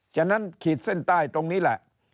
ฉะนั้นขีดเส้นใต้ตรงนี้แหละ